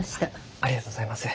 ありがとうございます。